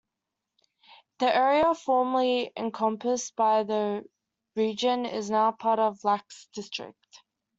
The area formerly encompassed by the region is now part of Lacs District.